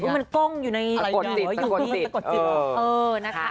๖๗๖๗๖๗มันก้งอยู่ในประกวดจิตประกวดจิตเออนะคะ